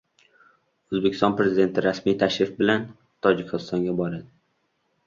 O‘zbekiston Prezidenti rasmiy tashrif bilan Tojikistonga boradi